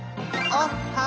おっは！